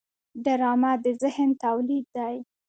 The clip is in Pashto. ډرامه د ذهن تولید دی